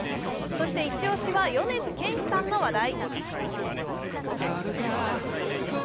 そしてイチ押しは米津玄師さんの話題。